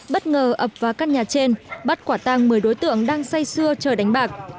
bất ngờ ập vào căn nhà trên bắt quả tăng một mươi đối tượng đang say xưa chờ đánh bạc